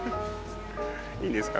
いいんですか？